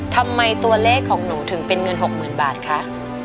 ทำไมตัวเลขของหนูถึงเป็นเงิน๖๐๐๐บาทคะ